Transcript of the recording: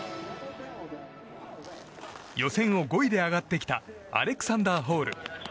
予選を５位で上がってきたアレクサンダー・ホール。